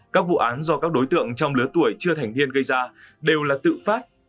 các vụ án do các đối tượng trong lứa tuổi chưa thành niên gây ra đều là tự phát